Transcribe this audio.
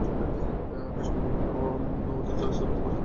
আকাশ এবং পৃথিবী কেউই ওদের জন্যে অশ্রুপাত করেনি এবং ওদেরকে অবকাশও দেয়া হয়নি।